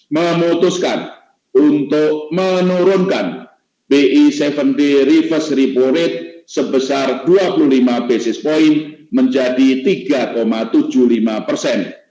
memutuskan untuk menurunkan bi tujuh d reverse repo rate sebesar dua puluh lima basis point menjadi tiga tujuh puluh lima persen